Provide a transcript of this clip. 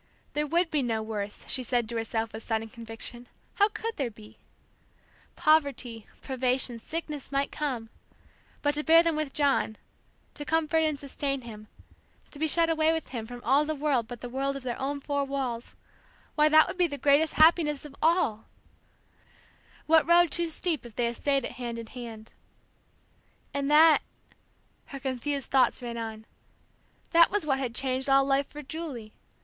There would be no worse, she said to herself with sudden conviction, how could there be? Poverty, privation, sickness might come, but to bear them with John, to comfort and sustain him, to be shut away with him from all the world but the world of their own four walls, why, that would be the greatest happiness of all! What hardship could be hard that knitted their two hearts closer together; what road too steep if they essayed it hand in hand? And that her confused thoughts ran on that was what had changed all life for Julie.